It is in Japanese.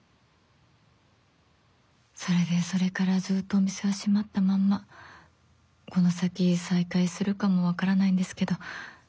それでそれからずっとお店は閉まったまんまこの先再開するかも分からないんですけど